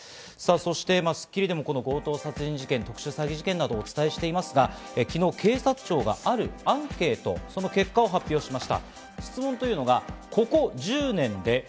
そして『スッキリ』でもこの強盗殺人事件、特殊詐欺事件などをお伝えしていますが、昨日、警察庁があるアンケート、その結果を発表しました。